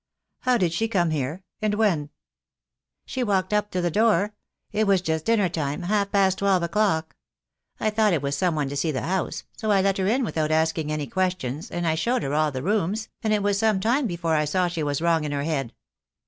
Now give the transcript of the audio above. "How did she come here, and when?" " She walked up to the door. It was just, dinner time — half past twelve o'clock. I thought it was some one to see the house, so I let her in without asking any ques tions, and I showed her all the rooms, and it was some time before I saw she was wrong in her head.